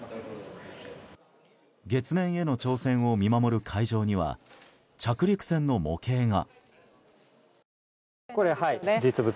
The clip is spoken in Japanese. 月面への挑戦を見守る会場には着陸船の模型が。